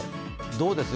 どうです？